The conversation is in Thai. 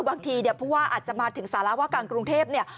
บางทีเนี่ยผู้ว่าอาจจะมาถึงสารวาการกรุงเทพเนี่ย